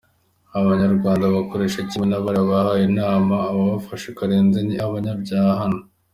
“Aba banyarwanda bakoresha kimwe na bariya bahaye inama abafashe Karenzi ni abanyabyaha hano.